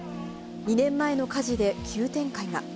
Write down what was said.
２年前の火事で急展開が。